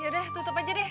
ya udah tutup aja deh